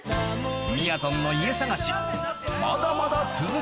みやぞんの家探し